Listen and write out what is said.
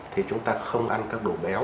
thì chúng ta không ăn các đồ béo